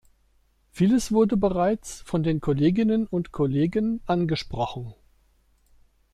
Vieles wurde bereits von den Kolleginnen und Kollegen angesprochen.